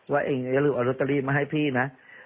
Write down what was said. ว่าเองอย่าลืมเอาลอตเตอรี่มาให้พี่นะ